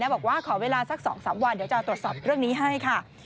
บอกว่าขอเวลาสัก๒๓วันเดี๋ยวจะตรวจสอบเรื่องนี้ให้ค่ะ